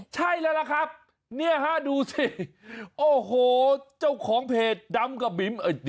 ใช่แล้วล่ะครับเนี่ยฮะดูสิโอ้โหเจ้าของเพจดำกับบิ๋ม